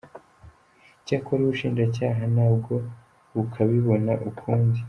Icyakora ubushinjacyaha na bwo bukabibona ukundi.